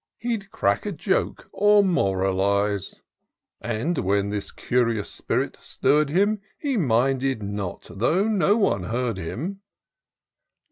He'd crack a joke, or moralize: And when this curious spirit stirr'd him, He minded not though no one heard him.